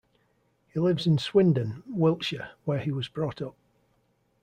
He lives in Swindon, Wiltshire, where he was brought up.